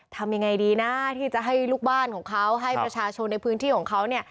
ทำยังไงดีนะที่จะให้ลูกบ้านของเขาให้ประชาชนในพื้นที่ของเขาเนี่ย